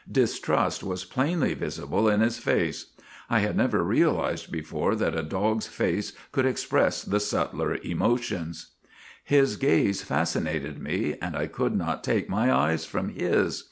Distrust was plainly visible in his face. I had never realized before that a dog's face could express the subtler emotions. ' His gaze fascinated me, and I could not take my eyes from his.